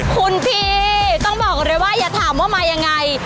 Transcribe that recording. คุณพี่ต้องบอกเลยว่าอย่าถามว่ามายังไง